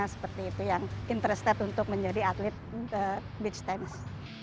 dan kita harus berusaha untuk menjadi atlet beach tennis